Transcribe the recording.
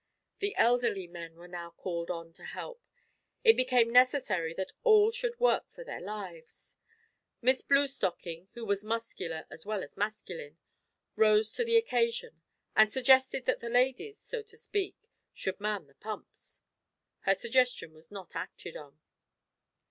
The elderly men were now called on to help. It became necessary that all should work for their lives. Miss Bluestocking, who was muscular as well as masculine, rose to the occasion, and suggested that the ladies, so to speak, should man the pumps. Her suggestion was not acted on.